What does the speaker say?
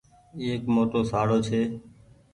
ايڪ موٽو شاڙو ڇي۔